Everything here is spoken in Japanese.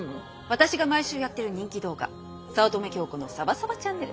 私が毎週やってる人気動画「早乙女京子のサバサバチャンネル」。